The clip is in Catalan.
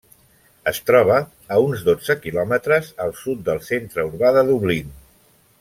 Es troba a uns dotze quilòmetres al sud del centre urbà de Dublín.